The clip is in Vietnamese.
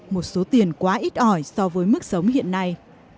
một số tiền quá ít ỏi so với mức sống hiện nay